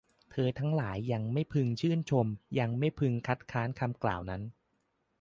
เธอทั้งหลายยังไม่พึงชื่นชม ยังไม่พึงคัดค้านคำกล่าวนั้น